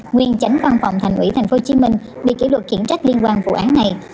nguyên chánh văn phòng thành lũy tp hcm bị kỷ luật kiểm trách liên quan vụ án này